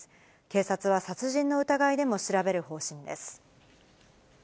警察は殺人の疑いでも調べる方針です。